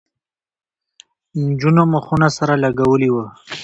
نجونو مخونه سره لگولي وو.